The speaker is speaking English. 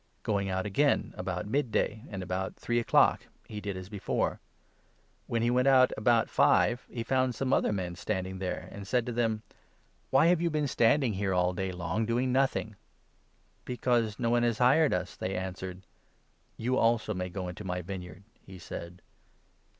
Going out again about mid day and 5 about three o'clock, he did as before. When he went out about 6 five, he found some other men standing there, and said to them ' Why have you been standing here all day long, doing nothing? '' Because no one has hired us,' they answered. 7 'You also may go into my vineyard,' he said.